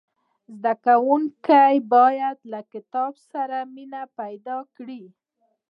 زدهکوونکي باید له کتاب سره مینه پیدا کړي.